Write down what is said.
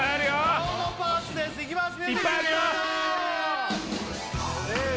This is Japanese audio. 顔のパーツですいきます